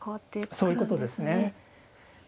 そういうことですね。